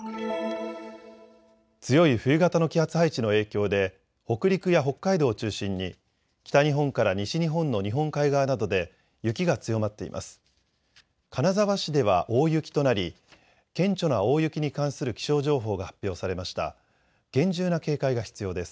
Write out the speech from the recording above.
強い冬型の気圧配置の影響で北陸や北海道を中心に北日本から西日本の日本海側などで雪が強まっています。